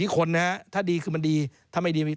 คนนะครับถ้าดีคือมันดีถ้าไม่ดีไม่ดี